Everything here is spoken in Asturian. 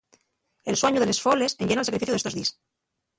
El suañu de les foles enllena'l sacrificiu d'estos díes.